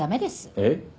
えっ？